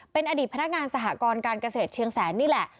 เป็นอดีตพนักงานสหกรการเกษตรเชียงแสนนี่แหละ